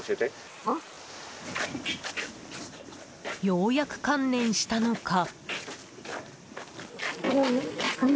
ようやく観念したのか。